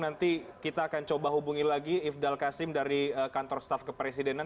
nanti kita akan coba hubungi lagi ifdal kasim dari kantor staf kepresidenan